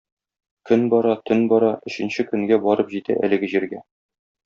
Көн бара, төн бара, өченче көнгә барып җитә әлеге җиргә.